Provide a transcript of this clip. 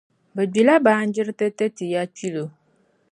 Bɛ gbila baanjiriti ti ya Kpilo,